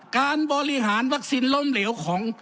การบริหารวัคซีนล้มเหลวของ